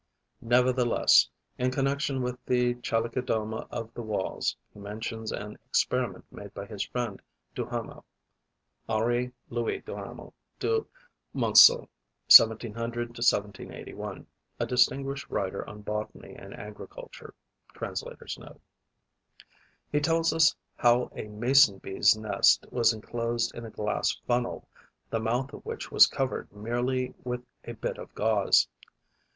Nevertheless, in connection with the Chalicodoma of the Walls, he mentions an experiment made by his friend, Duhamel. (Henri Louis Duhamel du Monceau (1700 1781), a distinguished writer on botany and agriculture. Translator's Note.) He tells us how a Mason bee's nest was enclosed in a glass funnel, the mouth of which was covered merely with a bit of gauze.